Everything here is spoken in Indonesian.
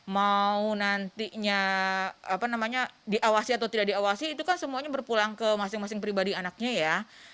mau nantinya diawasi atau tidak diawasi itu kan semuanya berpulang ke masing masing pribadi anaknya ya